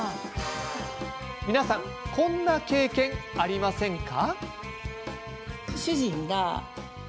皆さんこんな経験ありませんか？